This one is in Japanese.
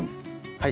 はい。